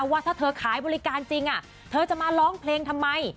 ว่าถ้าเธอขายบริการจริงเธอจะมาร้องเพลงทำไม